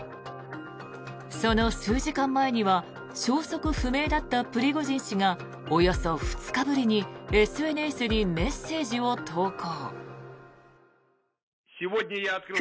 その数時間前には消息不明だったプリゴジン氏がおよそ２日ぶりにＳＮＳにメッセージを投稿。